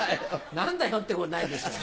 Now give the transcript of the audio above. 「何だよ」ってことないでしょう。